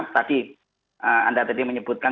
tadi anda tadi menyebutkan